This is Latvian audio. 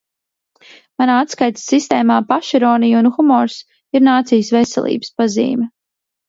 Manā atskaites sistēmā pašironija un humors ir nācijas veselības pazīme.